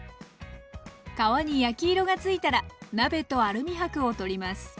皮に焼き色がついたら鍋とアルミ箔を取ります。